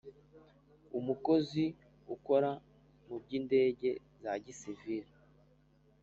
Umukozi ukora mu by’indege za gisivili